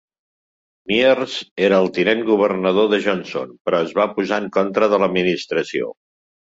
Myers era el tinent governador de Johnson, però es va posar en contra de l'administració.